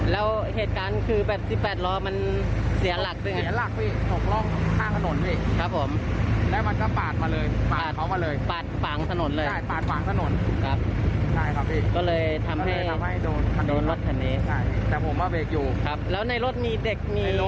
แล้วเหตุการณ์คือแบบสิบแปดรอมันเสียหลัก